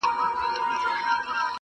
قاسم یار بایللی هوښ زاهد تسبې دي.